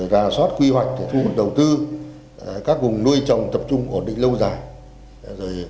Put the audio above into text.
ra sót quy hoạch để thu hút đầu tư các vùng nuôi trồng tập trung ổn định lâu dài